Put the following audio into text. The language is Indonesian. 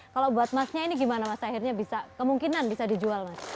kalau buat masnya ini gimana mas akhirnya bisa kemungkinan bisa dijual mas